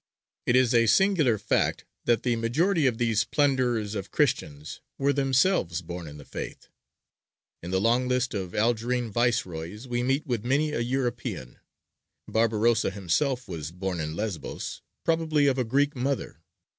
It is a singular fact that the majority of these plunderers of Christians were themselves born in the Faith. In the long list of Algerine viceroys, we meet with many a European. Barbarossa himself was born in Lesbos, probably of a Greek mother.